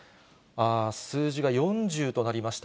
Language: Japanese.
数字が４０となりました。